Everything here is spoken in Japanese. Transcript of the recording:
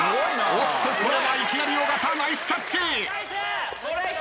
［おっとこれはいきなり尾形ナイスキャッチ！］